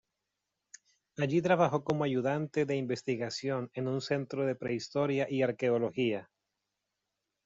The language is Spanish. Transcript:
Allí trabajó como ayudante de investigación en un centro de prehistoria y arqueología.